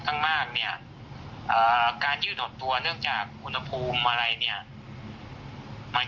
ข้างมากเนี่ยการยืดหดตัวเนื่องจากอุณหภูมิอะไรเนี่ยมัน